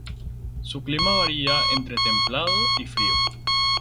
Su clima varía entre templado y frío.